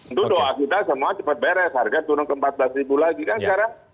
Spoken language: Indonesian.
itu doa kita semua cepat beres harga turun ke empat belas lagi kan sekarang